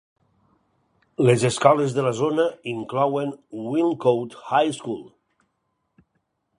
Les escoles de la zona inclouen Wilnecote High School.